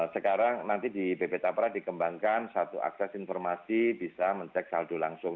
sekarang nanti di bp tapra dikembangkan satu akses informasi bisa mencek saldo langsung